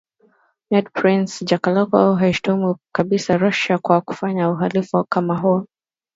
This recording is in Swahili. Ned Price japokuwa hakuishutumu kabisa Russia kwa kufanya uhalifu kama huo